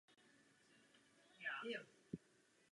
Rovnici přímky v prostoru lze vyjádřit různými způsoby.